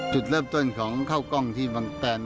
จุดเริ่มต้นของข้าวกล้องที่บางแตน